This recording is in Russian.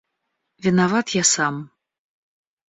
Виноват я сам.